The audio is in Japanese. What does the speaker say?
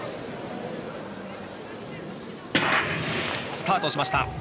スタートしました。